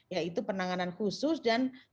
yaitu penanganan khusus dan